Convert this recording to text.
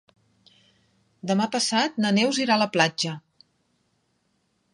Demà passat na Neus irà a la platja.